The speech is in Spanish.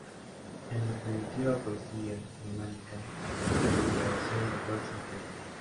En la primitiva poesía germánica, la aliteración refuerza al ritmo.